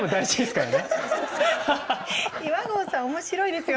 岩合さん面白いですよ。